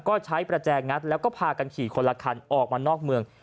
ก็ใช้ประแจงัดแล้วก็พากันขี่คนละคันออกมานอกเมือง